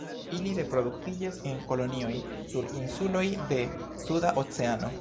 Ili reproduktiĝas en kolonioj sur insuloj de Suda Oceano.